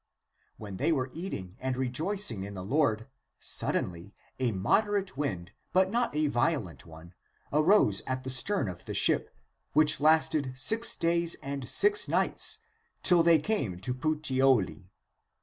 When they were eating and re joicing in the Lord suddenly a moderate wind but not a violent one, arose at the stern of the ship which lasted six days and six nights, till they came to Puteoli.